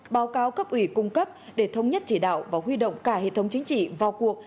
báo cáo cấp ủy cung cấp để thống nhất chỉ đạo và huy động cả hệ thống chính trị vào cuộc